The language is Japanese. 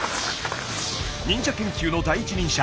忍者研究の第一人者